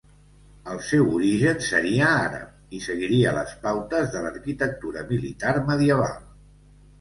El seu origen seria àrab i seguiria les pautes de l'arquitectura militar medieval.